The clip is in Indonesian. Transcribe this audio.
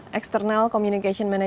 dan terima kasih banyak atas waktunya